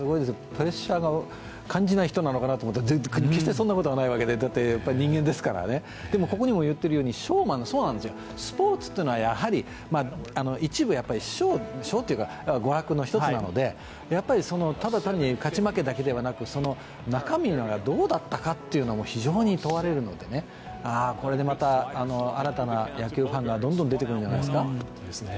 プレッシャーを感じない人かと思うと、決してそんなことはないわけで、だってやっぱり人間ですから、ここにも言っているように、ショーマン、スポーツというのは一部ショーというか娯楽の１つなので、ただ単に勝ち負けだけではなく、その中身がどうだったかも非常に問われるので、これでまた新たな野球ファンがどんどん出てくるんじゃないですか。